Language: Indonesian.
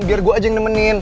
biar gue aja yang nemenin